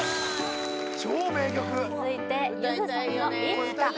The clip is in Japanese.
超名曲続いてゆずさんの「いつか」